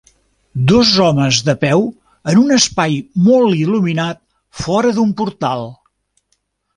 Dos homes de peu en un espai molt il·luminat fora d"un portal.